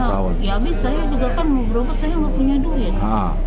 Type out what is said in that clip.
ya tapi saya juga kan beberapa saya nggak punya duit